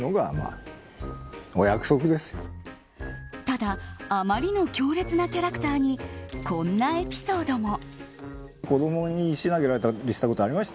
ただ、あまりの強烈なキャラクターにこんなエピソードも。